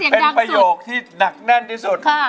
เป็นประโยคที่หนักแน่นที่สุด